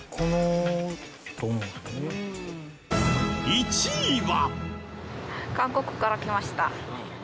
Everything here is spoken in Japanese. １位は。